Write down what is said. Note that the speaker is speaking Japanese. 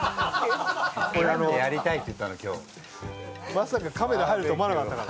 まさかカメラ入ると思わなかったから。